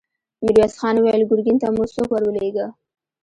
ميرويس خان وويل: ګرګين ته مو څوک ور ولېږه؟